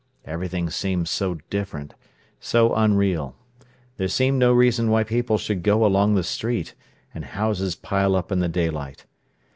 Everything seemed so different, so unreal. There seemed no reason why people should go along the street, and houses pile up in the daylight.